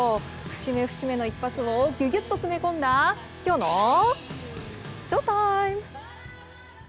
節目節目の一発をギュギュっと詰め込んだきょうのＳＨＯＴＩＭＥ！